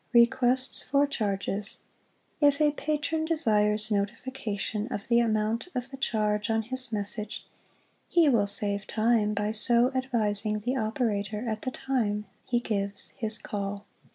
Requests for ChargesŌĆö If a patron desires notification of the amount of the charge on his message, he will save time by so advising the operator at the time he gives his call.